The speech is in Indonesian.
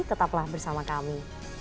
tetaplah bersama kami